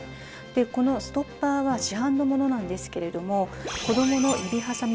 このストッパーは市販のものなんですけれども子どもの指はさみ防止器具なんですね。